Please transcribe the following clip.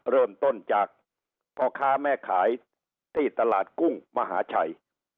เริ่มต้นจากพ่อค้าแม่ขายที่ตลาดกุ้งมหาชัย